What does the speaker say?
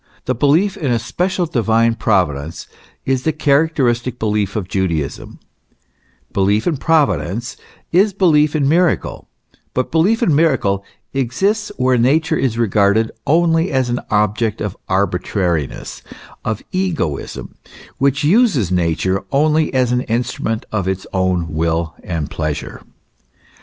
The belief in a special Divine Providence is the characteristic belief of Judaism; belief in Providence is belief in miracle ; but belief in miracle exists where Nature is regarded only as an object of arbitrariness, of egoism, which uses Nature only as an instru ment of its own will and pleasure.